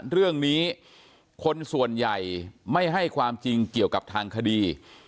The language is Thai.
เรื่องนี้คนส่วนใหญ่ไม่ให้ความจริงเกี่ยวกับทางคดี